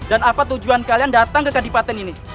apa tujuan kalian datang ke kabupaten ini